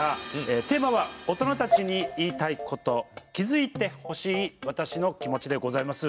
テーマは「大人たちに言いたいこと」「気づいてほしい私の気持ち」でございます。